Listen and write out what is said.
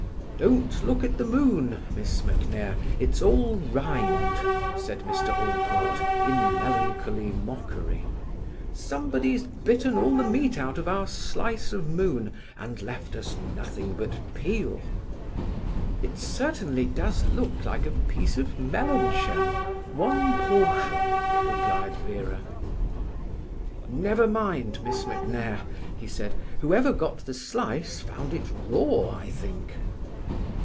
"Don't look at the moon, Miss MacNair, it's all rind," said Mr Allport in melancholy mockery. "Somebody's bitten all the meat out of our slice of moon, and left us nothing but peel." "It certainly does look like a piece of melon shell—one portion," replied Vera. "Never mind, Miss MacNair," he said, "Whoever got the slice found it raw, I think."